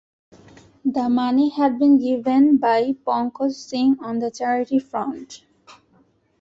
The money had been given by Pankaj Singh on the charity front.